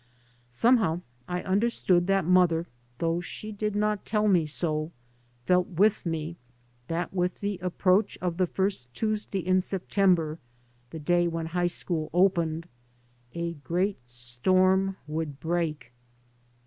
Somehow I under stood that mother, though she did not tell me so, felt with me that with the approach of the first Tuesday in September, the day when high school opened, a great storm would break.